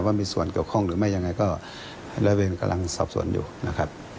ว่ามีส่วนเกี่ยวข้องหรือไม่ยังไงก็ระเวนกำลังสอบสวนอยู่นะครับ